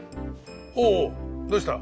おおどうした？